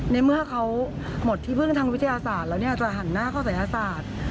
ในเมื่อเค้าหมดที่เพิ่งทางวิทยาศาสตร์แล้วเนี่ยจะหันหน้าข้อใส่อาศาสตร์